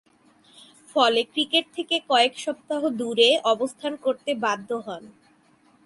ফলে, ক্রিকেট থেকে কয়েক সপ্তাহ দূরে অবস্থান করতে বাধ্য হন।